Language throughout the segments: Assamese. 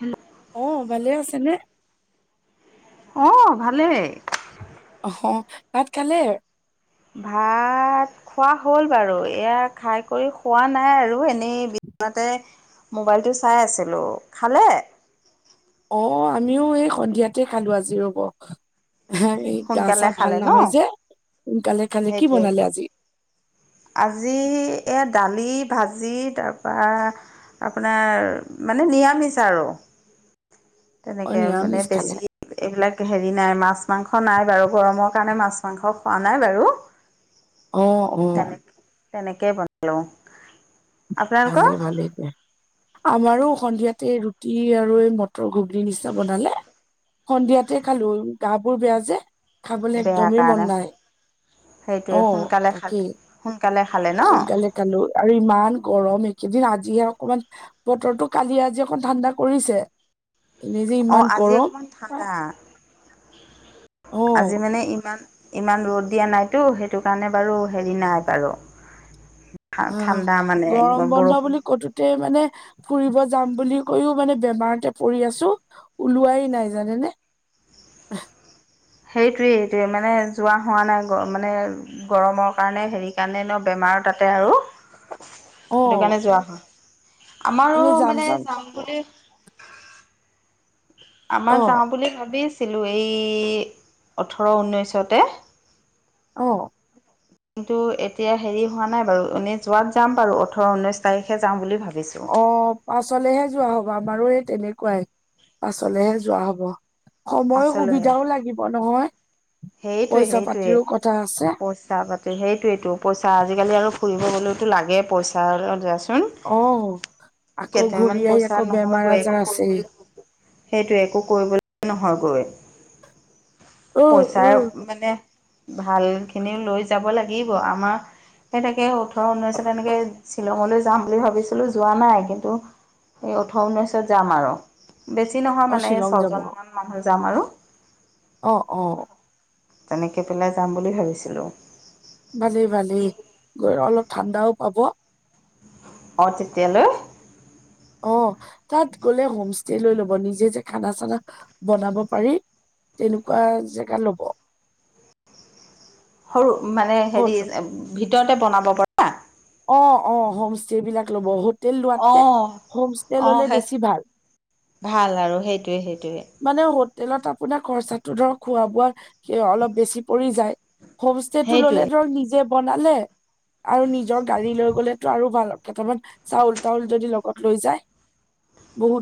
হেল্ল 'অ। অ' ভালে আছে নে? অঁ ভালেই। অ' ভাত খালে? ভাত, খোৱা হ'ল বাৰু এয়া, খাই কৰি শুৱা নাই আৰু এনেই বিছনাতে, মোবাইলটো চাই আছিলোঁ। খালে? অ' আমিও এই সন্ধিয়াতে খালো আজি ৰ''ব, হা, এই গা- চা সোনকালে ভাল খালে ন? নহয় যে সোনকালে খালে কি সেইটোৱেইটো বনালে আজি? আজি, এই দালি ভাজি তাৰপৰা, আপোনাৰ, মানে নিৰামিষ আৰু। অ' তেনেকে মানে নিৰামিষ বেছি খালে। এইবিলাক হেৰি নাই মাছ মাংস নাই বাৰু গৰমৰ কাৰণে মাছ মাংস খোৱা নাই বাৰু। অ' অ' তেনেকে বনালো। আপোনালোকৰ ভালেই ভালেই দিয়া। আমাৰো সন্ধিয়াতে ৰুটি আৰু এই মটৰ নিচিনা বনালে। সন্ধিয়াতে খালো। গা বোৰ বেয়া যে খাবলৈ বেয়া একদমেই মন কাৰণে নাই। অ সেইটোৱে সোনকালে খালে, তাকেই সোনকালে খালে ন। সোনকালে খালো। আৰু ইমান গৰম এইকেইদিন আজিহে অকমান, বতৰটো কালি আজি অকন ঠাণ্ডা কৰিছে। এনেই যে অ ইমান আজি গৰম। অকমান ঠাণ্ডা অ আজি মানে ইমান, ইমান ৰদ দিয়া নাইতো সেইটো কাৰণে বাৰু হেৰি নাই বাৰু। ঠাণ্ডা অ' মানে গৰম বন্ধ বৰষুণ বুলি ক'তো, মানে ফুৰিব যাম বুলি কৈও মানে বেমাৰতে পৰি আছোঁ। ওলোৱাই নাই জানেনে? সেইটোৱেই, এইটোৱে মানে যোৱা হোৱা নাই মানে। গৰমৰ কাৰণে হেৰি কাৰণে ন, বেমাৰো তাতে আৰু, অ সেইটো কাৰণে যোৱা নাই, আমাৰো এনে মানে চাম যাম বুলি, অ আমাৰ যাওঁ বুলি ভাবিছিলোঁ। এই ওঠৰ উঠৰ ঊনৈশতে। অ' কিন্তু, এতিয়া হেৰি হোৱা নাই বাৰু এনে যোৱাত যাম বাৰু। ওঠৰ ঊনৈছ তাৰিখে যাওঁ বুলি ভাবিছোঁ। অ' পাছলেহে যোৱা হব আমাৰো এই তেনেকুৱাই পাছলেহে যোৱা হ'ব। সময় পাছলৈ সুবিধাও লাগিব নহয়, পইচা পাতিৰো কথা আছে। তাৰ পিছতে সেইটোৱেইো পইচা আজিকালি আৰু ফুৰিব গলেতো লাগেই পইচাৰ। অ আকৌ ঘূৰি কেইটামান আহি পইচা আকৌ নহয় বেমাৰ গৈ আজাৰ দেখোন। আছেই সেইটোৱেই একো কৰিবলৈ নহয়গৈ। অ অ পইচাৰ মানে ভাল খিনি লৈ যাব লাগে। ে ওঠ ঊনৈনেক শ্ব [unintelligible] যাম বুলি ভাবিছিলোঁ যোৱা নাই। কিন্তু এই ওঠৰ ঊনৈছত যাম আৰু। বেছি নহয় অ মানে শ্বিলং ছয় যাব জন মান মানুহ যাম আৰু। অ' অ' তেনেকৈ পেলাই যাম বুলি ভাবিছিলোঁ। ভালেই, ভালেই গ অলপ ঠাণ্ডাও পাব। অ তেতিয়ালৈ অ তাত গ'লে হোম ষ্টে লৈ ল'ব নিজে যে খানা চানা বনাব পাৰি। তেনেকুৱা জেগা লব। সৰু মানে হেৰি হত ভিতৰতে বনাব পাৰে। অ অ হোম ষ্টে বিলাক লবহুত হোটেল লোৱাতকে অঁ হোম ষ্টে অঁ ললে সেই বেছি ভাল। ভাল আৰু সেইটোৱে সেইটোৱে মানে হোটেলত আপোনাৰ খৰচাতটো ধৰ খোৱা বোৱা অলপ বেছি পৰি যায়। হোম ষ্টে টো ললে সেইটোৱে ধৰ নিজে বনালে আৰু নিজৰ গাড়ী লৈ গ'লেতো আৰু ভাল তমান চাউল, তাউল যদি লগত লৈ যায়।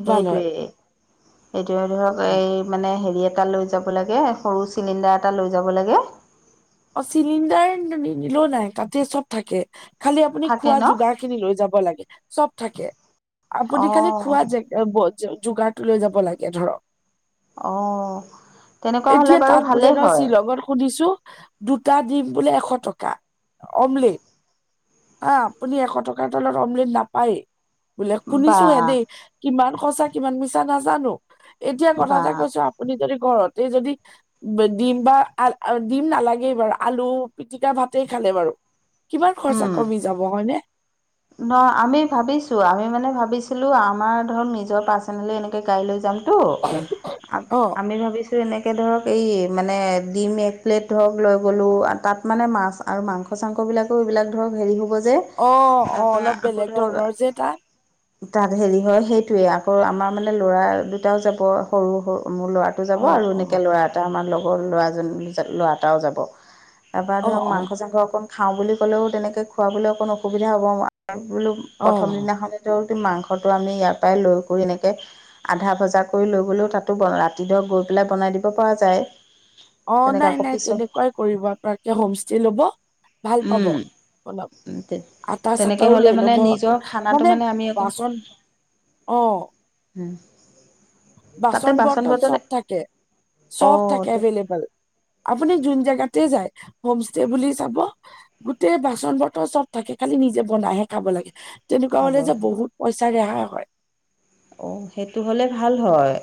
সেইটোৱেই উ এইটো ধৰক এই মানে হেৰি এটা লৈ যাব লাগে সৰু চিলিণ্ডাৰ এটা লৈ যাব লাগে। অ চিলিণ্ডাৰ নি নিলে নাই তাতে চব থাকে খালি আপুনি থাকে খোৱা ন যোগাৰ। এইখিনিলৈ যাব লাগে চব থাকে আপুনি খালি অ', খোৱা জো- যোগাৰটো লৈ যাব লাগে ধৰক। অ'। তেনেকুৱা হ'লে এতিয়া বাৰু তাত বোলে ভালেই নহ হয় শ্বিলঙত শুনিছো। দুটা দিম বোলে এশ টকা অমলেট হ আপুনি এশ টকাৰ তলত অমলেট নাপায়ে বোলে বা শুনিছো হে দেই কিমান সঁচা কিমান মিছা নাজানো। এতিয়া কথা বা এটা কৈছো আপুনি যদি ঘৰতে যদি দিম বা দিম নালাগে। সেই বাৰু আলু পিতিকা ভাতেই খালে বাৰু কিমান খৰচা উম। কমি যাব হয়। ন ন আমি ভাবিছোঁ আমি মানে ভাবিছিলোঁ আমাৰ ধৰক নিজৰ পাৰ্চনেলি এনেকৈ গাড়ী লৈ যাম। অ তটো আমি ভাবিছো। এনেকে ধৰক এই মানে ডিম, এক প্লেট ধৰক লৈ গ'লো তাত মানে মাছ, আৰু মাংস চাংসবিলাকে এইবিলাক ধৰক হেৰি হ'ব যে- অ অ তাৰপৰা অলপ আকৌ বেলেগ ধৰক ধৰণৰ যে তাত তাত হেৰি হয় সেইটোয়ে আকৌ আমাৰ মানে ল'ৰা দুটাও যাব সৰু সৰু মোৰ ল'ৰা যাব অ আৰু অ এনেকৈ ল'ৰা এটা আমাৰ লগৰ ল'ৰাজন ল'ৰা এটাও যাব। তাৰপৰা অ ধৰক অ মাংস, চাংস অকণ খাওঁ বুলি ক'লেও তেনেকৈ খুৱাবলৈ অকণ অসুবিধা হ'বাৰে বোলো অ প্ৰথম দিনাখননেতো মাংসটো আমি ইয়াৰ পৰাই লৈ কৰি এনেকে- আধা ভজা কৰি লৈ গ'লেও তাতো ৰাতি ধৰক গৈ পেলাই বনাই দিব পৰা যায়। অ তেনেকৈ নাই আকৌ নাই পিছত তেনেকুৱাই কৰিব আপোনোকে হোমষ্টে লব ভাল পাব অলপ উম তে আটা তেনেকে চাটাও হলে লৈ মানে ল'ব নিজৰ খানাটো মানে আমি একো অ উম তাতে বাচন বৰ্তন থাকে চব থাকে অঁ এভেইলেবল। আপুনি যোন জেগাতে যায় হোম ষ্টে বুলি চাব গোটেই বাচন বৰ্তন চব থাকে খালি নিজে বনাইহে খাব লাগে। তেনেকুৱা খাব হলে যে বহুত পইচা ৰেহাই হয়। অ সেইটো হলে ভাল হয়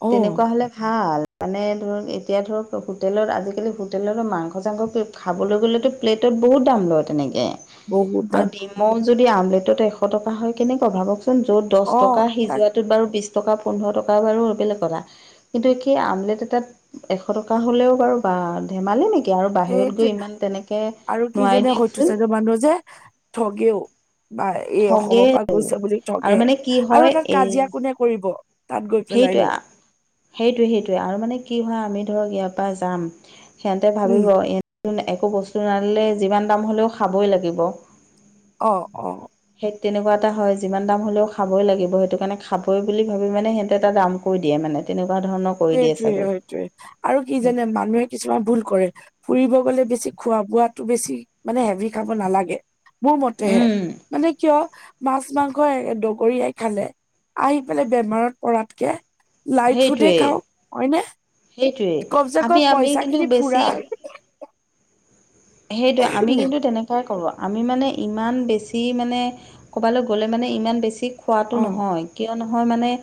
অ তেনেকুৱা হলে ভাল। মানে ধৰক এতিয়া ধৰক হোটেলত আজিকালি হোটেলত মাংস চাংস খাবলৈ গ'লেতো। প্লেটত বহুত দাম লয় তেনেকে। বহুত দাম আৰু ডিমৌ যদি আমলেটত এশ টকা হয় কেনেকা ভাবকচোন য'ত দহ অ টকা তাকে সিজোৱাটোত বাৰু বিশ টকা পোন্ধৰ টকা বাৰু বেলেগ কথা। কিন্তু কি আমলেট এটাত এশ টকা হ'লেও বাৰু বা ধেমালি নেকি। এতিয়া আৰু বাহিৰত গৈ সেইটোৱে ইমান তেনেকে নোৱাই দিয়কচোন। বান্ধো যে হে আ আ ঠগেও। বা এই ঠগে অসমৰ পৰা গৈছে বুলি আৰু ঠগে মানে কি আৰু হয় তাত এই কাজিয়া কোনে কৰিব। তাত গৈ সেইটোৱে পেলাইনো আহ্ সেইটোৱে সেইটোৱে আৰু মানে কি হয় আমি ধৰক ইয়াৰ পৰা যাম ই আহ্। সিহঁতে উম ভাবিব এক টোন একো বস্তু নানিলে যিমান দাম হ'লেও খাবই লাগিব। অঁ অ অ অ। সেই তেনেকুৱা এটা হয় যিমান দাম হ'লেও খাবই লাগিব সেইটো কাৰণে খাবই বুলি ভাবি মানে সেই এটা দাম কৈ দিয়ে মানে তেনেকুৱা ধৰণক সেইটোৱে সেইটোৱে আহা আৰু কি জানে মানুহে কিছুমান ভুল কৰে। ফুৰিব গলে বেছি খোৱা-বোৱাটো বেছি মানে হেভি খাব নালাগে মোৰ মতেহে। উম মানে কিয় আ হা হা মাছ-মাংস এ এ ডগৰীয়াই খালে। আহি পেলাই বেমাৰত পৰাতকে লাইট ফুডে সেইটোৱেই খাও হয়নে, সেইটোৱেই কম চে আমি কম আমি পইচা কিন্তু খিনি ফুৰা বেছি সেইটোৱে আমি উম কিন্তু তেনেক সেয়াই কৰোঁ আমি মানে ইমান বেছি মানে ক'ৰবালৈ গ'লে মানে ইমান বেছি খোৱাটো নহয় কিয় নহয় মানে ই ই ই আ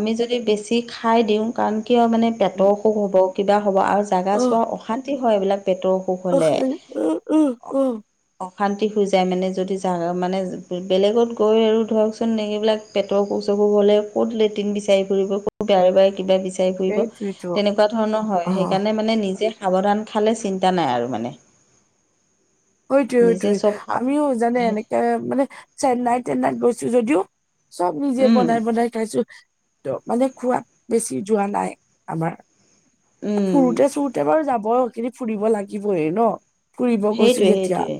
আমি যদি বেছি খাই দিওঁ কাৰণ কিয় মানে পেটৰ অসুখ হ'ব কিবা হ'ব আৰু জেগা চোৱা অশান্তি হয় এইবিলাক পেটৰ অসুখ উহ হ'লে খালি উ উ উ। অশান্তি হৈ যায় মানে যদি জা মানে বেলেগত গৈ আৰু ধৰকচোন এইবিলাক পেটৰ অসুখ-চখুস হ'লে ক'ত লেট্ৰিন বিচাৰি ফুৰিব। বাৰে বাৰে কিবা বিচাৰি ফুৰিব সেইটোৱেতো তেনেকুৱা ধৰণৰ অ হয় সেইকাৰণে মানে নিজে সাৱধান খালে চিন্তা নাই আৰু মানে অ এইটোৱে নিজে এইটোৱে চব সা আহ্ আমিও জানে সেই এনেকে মানে চেন্নাইত-টেন্নাইত গৈছো যদিও চব নিজে উম, বনাই বনাই খাইছো ইহ। ত মানে খোৱাত বেছি যোৱা নাই আমাৰ। টু উম, ফুুৰোতে-চুৰোতে বাৰু যাব সেইখিনি ফুৰিব লাগিবয়ে ন ফুৰিব গৈছো সেইটোৱে, যেতিয়া সেইটোৱে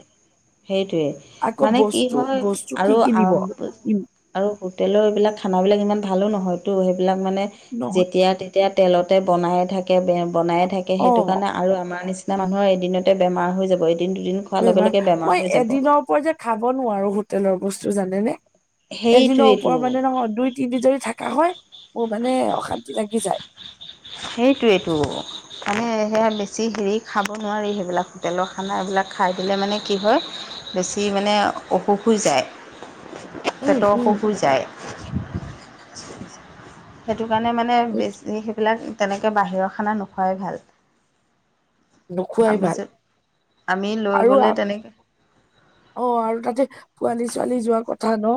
সেইটোৱে আকৌ মানে কি বস্তু হয় বস্তু কি আৰু কিনিব আৰম্ভ কৰিছে। ইম, আৰু হোটেলৰ এইবিলাক খানাবিলাক ইমান ভালো নহয়তো সেইবিলাক মানে নহয় যেতিয়া এয়া তেলতে বনাই থাকে বে বনাই থাকে অ সেইটো কাৰণে আৰু আমাৰ নিচিনা এতিয়া জানো নহয় এদিনতে বেমাৰ হৈ যাব এদিন-দুদিন বেমাৰ আহ্ মই এদিনৰ ওপৰত যে খাব নোৱাৰো হোটেলৰ বস্তু জানেনে। এদিনৰ সেইটোৱেইটো, ওপৰত মানে নহয় দুই তিনদিন যদি থাকা হয় মোৰ মানে অশান্তি লাগি যায়। সেইটোৱেইটো। মানে সেয়া বেছি হেৰি খাব নোৱাৰি সেইবিলাক হোটেলৰ খানা এইবিলাক খাই দিলে মানে কি হয় বেছি মানে অসুখ হৈ যায়। উম পেটৰ উম অসুখ হৈ যায়। সেইটো কাৰণে মানে বেছি সেইবিলাক তেনেকে বাহিৰৰ খানা নোখোৱাই ভাল। নোখোৱাই আমি ভাল যে আমি লৈ আৰু গলে তেনেকে অ আৰু তাতে পোৱালি-ছোৱালী যোৱাৰ কথা ন।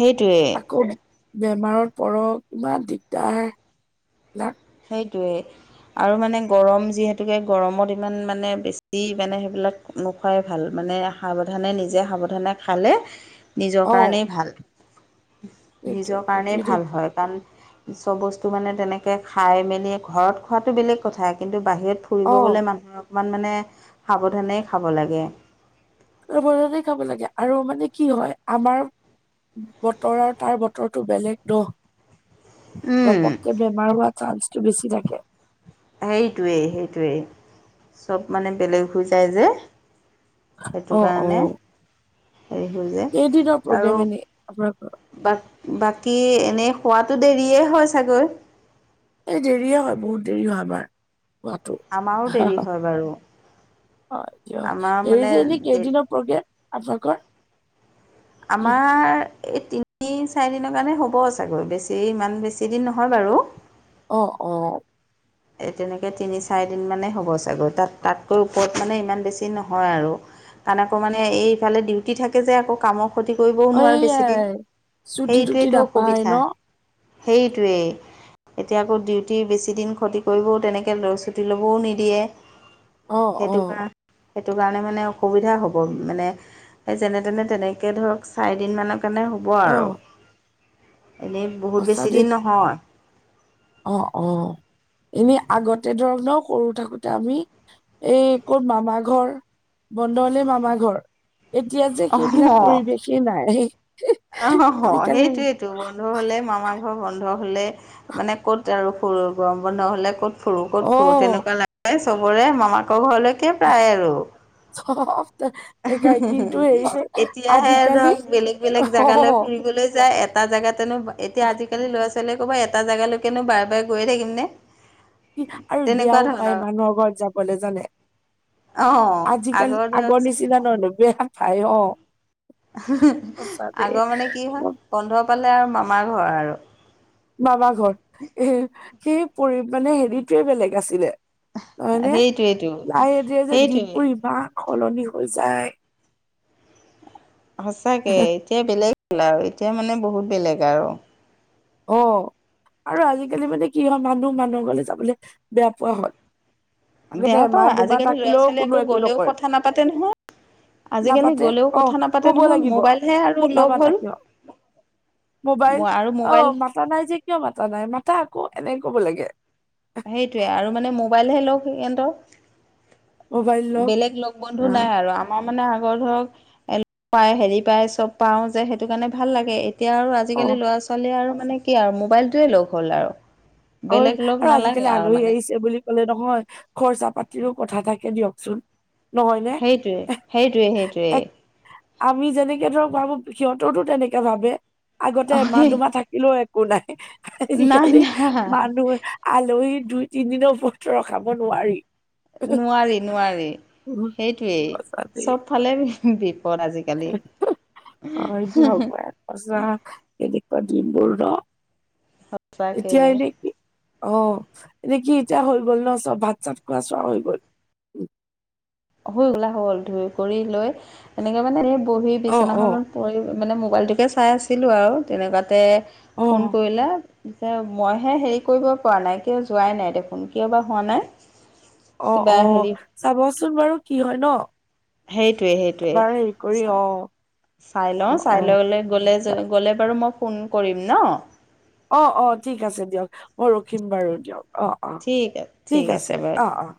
সেইটোৱে বেমাৰত পৰক ইমান দিগদাৰ লাক সেইটোৱে আৰু মানে গৰম যিহেতুকে গৰমত ইমান মানে বেছি মানে সেবিলাক নোখোৱাই ভাল মানে সাৱধানে নিজে সাৱধানে খালে নিজৰ অ কাৰণেই ভাল সেইটোৱে নিজৰ কাৰণেই সেইটোৱে দেই ভাল হয় কাৰণ চব বস্তু মানে তেনেকে খাই মেলি ঘৰত খোৱাটো বেলেগ কথা কিন্তু বাহিৰত অ ফুৰিব গ'লে মানুহৰ অকণমান মানে সাৱধানেই খাব লাগে অলপ খাব লাগে আৰু মানে কি হয় আমাৰ বতৰ আৰু তাৰ বতৰটো বেলেগ ন উম, ঘপককে বেমাৰ হোৱা চান্সটো বেছি থাকে সেইটোৱেই সেইটোৱেই চব মানে বেলেগ হৈ যায় যে সেইটো অ অ কাৰণে হেৰি হৈ কেইদিনৰ যায় আৰু প্ৰগ্ৰেম এনে আপোনালোকৰ বাক বাকী এনেই শুৱাটো দেৰিয়ে হয় চাগৈ এ দেৰিয়ে হয় বহুত দেৰি হয় আমাৰো দেৰি আমাৰ হয় বাৰু কিয় আমাৰ মানে এইৰি যে এনেই দে কেইদিনৰ পৰগে আপোনালোকৰ আমাৰ এই তিনি চাৰিদিনৰ কাৰণে হ'ব চাগৈ বেছি ইমান বেছিদিন নহয় বাৰু অ অ তেনেকৈ তিনি চাৰিদিনমানেই হ'ব চাগৈ তাত তাতকৈ ওপৰত মানে ইমান বেছি নহয় আৰু কাৰণ আকৌ মানে এইফালে ডিউটি থাকে যে আকৌ কামৰ ক্ষতি কৰিবও অ, নোৱাৰে বেছি দিন এইয়াই ছুটি তুটি সেইটোৱেটো নাপায় ন অসুবিধা সেইটোৱেই এতিয়া আকৌ ডিউটি বেছি দিন ক্ষতি কৰিবও তেনেকে লয় ছুটি ল'বও নিদিয়ে অ অ সেইটোকাৰ সেইটোকাৰণে মানে অসুবিধা হ'ব মানে সেই যেনে তেনে তেনেকে ধৰক চাৰি দিন মানৰ কাৰণে হব হ'ব অ আৰু এনেই বহুত সঁচা দেই বেছিদিন নহয় অ অ এনেই আগতে ধৰ ন সৰু থাকোতে আমি এই ক'ত মামা ঘৰ বন্ধ হলেই মামা ঘৰ এতিয়া যে অঁ সেইবিলাক পৰিৱেশেই নাই আজিকালি টো বন্ধ হ'লে মামা ঘৰ বন্ধ হ'লে মানে ক'ত আৰু ফুৰোঁ গৰম বন্ধ হ'লে ক'ত ফুৰো ক'ত অ ফুৰো তেনেকুৱা লাগে সবৰে মামাকৰ ঘৰলৈকে প্ৰায় আৰু অ এতিয়াহে আজিকালি ধৰক বেলেগ বেলেগ অ জেগালে ফুৰিবলৈ যায় এটা জেগাতেনো এতিয়া আজিকালি ল'ৰা- ছোৱালীয়ে ক'ব এটা জেগালৈকেনো বাৰে বাৰে গৈয়ে থাকিমনে কি আৰু বেয়াও পায় মানুহৰ ঘৰত যাবলে জানে অ' আজিকালি আগৰ ধৰকচোন নিচিনা নহয় ন বেয়া পাই অ সঁচা দে আগৰ মানে কি হয় বন্ধ পালে আৰু মামা ঘৰ আৰু মামা ঘৰ সেই পৰি মানে হেৰিটোৱে বেলেগ আছিলে হয়নে সেইটোৱেইটো নাই এতিয়া যে সেইটোৱে দিনবোৰ ইমান সলনি হৈ যায় সঁচাকে এতিয়া বেলেগ হল আৰু এতিয়া মানে বহুত বেলেগ আৰু অ আৰু আজিকালি মানে কি হয় মানুহ মানুহ ঘৰলে যাবলে বেয়া পোৱা হয় বেয়া পাই, আজিকালি ল'ৰা থাকিলেও ছোৱালী কোনো আকৌ একো গলেও নকৰে কথা নাপাতে নহয়। আজিকালি নাপাতে গ'লেও অ কথা নাপাতে কব নহয় লাগিব মোবাইলহে আৰু লগ নামাতা হ'ল। কিয় মোবাইল ম আৰু অ মোবাইল। মাতা নাই যে কিয় মাতা নাই মাতথা আকৌ এনেকে ক'ব লাগে। সেইটোয়ে আৰু মানে মোবাইলহে লগ সিহঁতৰ। মোবাইল লওক বেলেগ লগ বন্ধু নাই আৰু। আমাৰ মানে আগৰ ধৰক লগ পাই হেৰি পায় চব পাও যে সেইটো কাৰণে ভাল লাগে এতিয়া আৰু। অ আজিকালি ল'ৰা ছোৱালীয়ে আৰু মানে কি আৰু মোবাইলটোৱে লগ হ'ল আৰু। হয় বেলেগ লগ আৰু নালাগে আজিকালি আৰু আলহী মানে আহিছে বুলি কলে নহয় খৰচা পাতিৰো কথা থাকে দিয়কচোন। নহয়নে। সেইটোৱে সেইটোৱে সেইটোৱে আমি যেনেকে ধৰক ভাবো সিহঁতৰতো তেনেকে ভাবে, আগতে অ মাহ দুমাহ থাকে। থাকিলেও একো নাই, নাই আজিকালি। নাই মানুহ আলহী দুই - তিনিদিনৰওৰত ৰখাব নোৱাৰি। নোৱাৰি নোৱাৰি। উম, সেইটোৱেই, সঁচা দেই চবফালে বিপদ আজিকালি। হ হ [inaudible] সচাকৈ কেনেুৱা দিমবোৰ নহ। সঁচাকৈ। অ' এনে কি এতিয়া হৈ গ'ল ন চব ভাত চাত খোৱা চোৱা হৈ গ'ল। হৈ গল হৈ গ'ল ধুই কৰি লৈ এনেকৈ মানে এই বহী অ অ বিচনাখনত। পৰি মানে মোবাইলটোকে চাই আছিলোঁ আৰু তেনেকুৱাতে অ ফোন কৰিলা। পিছে মইহে হেৰি কৰিব পৰা নাই কিয় যোৱাই নাই দেখোন কিয় বা হোৱা নাই। অ' কিবা অ' হেৰি চাবচোন বাৰু কি হয় ন? সেইটোৱে সেইটোৱে এবাৰ হেৰি কৰি চাই অ' চাই অ লওঁ অ চাই, গলে গ'লে বাৰু মই ফোন কৰিম ন। অ' অ' ঠিক আছে দিয়ক মই ৰখিম বাৰু দিয়ক, অ অ ঠিক আছে অ অ'